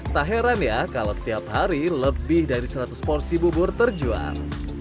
tak heran ya kalau setiap hari lebih dari seratus porsi bubur terjual